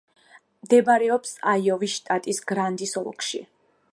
მდებარეობს აიოვის შტატის გრანდის ოლქში.